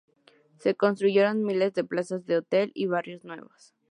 Se construyeron miles de plazas de hotel y barrios nuevos.